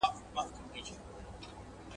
هغوی ښه وروزی چې ښه راتلونکی ولري.